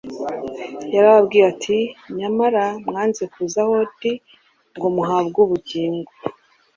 Yarababwiye ati: "Nyamara mwanze kuza aho ndi ngo muhabwe ubugingo"